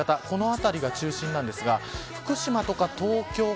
この辺りが中心ですが福島や東京